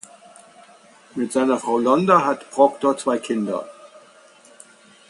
Mit seiner Frau Londa hat Proctor zwei Kinder.